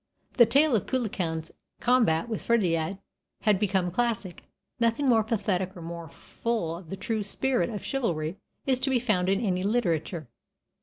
The tale of Cuchulainn's combat with Ferdiad has become classic; nothing more pathetic or more full of the true spirit of chivalry is to be found in any literature.